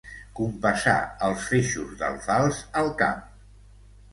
Compassar els feixos d'alfals al camp.